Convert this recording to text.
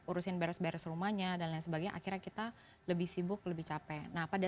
urusin beres beres rumahnya dan lain sebagainya akhirnya kita lebih sibuk lebih capek nah pada